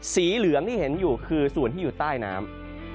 สีเหลืองที่เห็นอยู่คือส่วนที่อยู่ใต้น้ำ